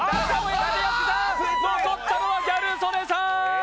残ったのはギャル曽根さん！